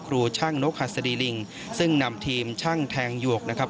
ครูช่างนกหัสดีลิงซึ่งนำทีมช่างแทงหยวกนะครับ